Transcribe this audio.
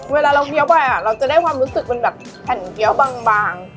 เวลาเราเกี้ยวไปเราจะได้ความรู้สึกเป็นแบบแผ่นเกี้ยวบาง